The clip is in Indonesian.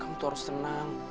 kamu tuh harus tenang